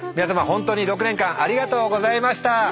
ホントに６年間ありがとうございました！